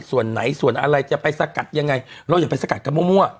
ส่วนไหนส่วนอะไรจะไปสกัดยังไงเราอย่าไปสกัดกันมั่ว